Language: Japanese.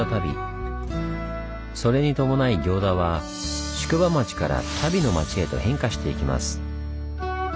それに伴い行田は宿場町から足袋の町へと変化していきます。